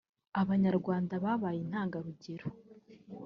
Abanyarwanda babaye intangarugero